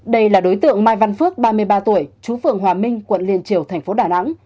đây là đối tượng mai văn phước ba mươi ba tuổi chú phường hòa minh quận liên triều thành phố đà nẵng